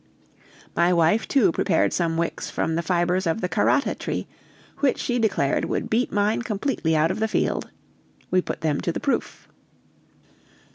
My wife, too, prepared some wicks from the fibers of the karata tree, which she declared would beat mine completely out of the field. We put them to the proof.